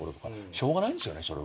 しょうがないんですよねそれは。